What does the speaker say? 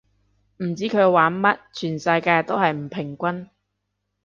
唔知佢玩乜，全世界都係唔平均